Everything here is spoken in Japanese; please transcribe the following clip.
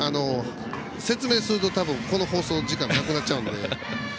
説明するとこの放送時間がなくなっちゃうので。